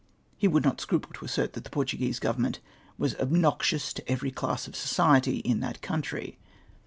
He would not scruple to assert that the Portuguese government was obnoxious to every class of society in that country.